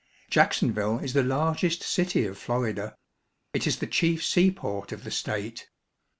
Jacksonville is the largest city of Florida. It is the chief seaport of the state.